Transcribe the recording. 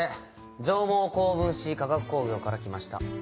上毛高分子化学工業から来ました